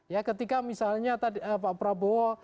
ya ketika misalnya tadi pak prabowo